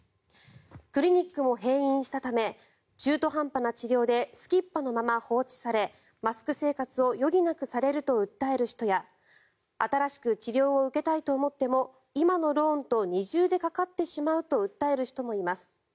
クリニックも閉院したため中途半端な治療ですきっ歯のまま放置されマスク生活を余儀なくされると訴える人や新しく治療を受けたいと思っても今のローンと二重でかかってしまうと訴える人もいます。